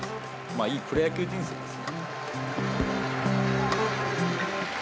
いいプロ野球人生です。